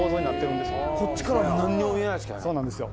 こっちからは何にも見えないですけどね。